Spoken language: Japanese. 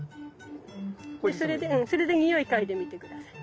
それでにおい嗅いでみて下さい。